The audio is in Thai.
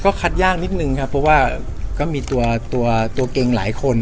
คัดยากนิดนึงครับเพราะว่าก็มีตัวตัวเก่งหลายคน